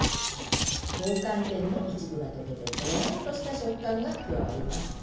棒寒天の一部が溶けてとろーんとした食感が加わります。